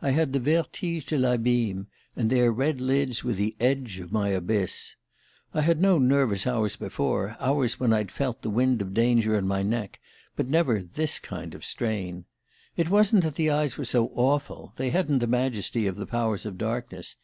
I had the vertige de l'abime, and their red lids were the edge of my abyss. ... I had known nervous hours before: hours when I'd felt the wind of danger in my neck; but never this kind of strain. It wasn't that the eyes were so awful; they hadn't the majesty of the powers of darkness.